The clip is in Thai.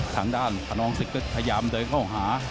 ทางด้านขนองศึกก็พยายามเดินเข้าหา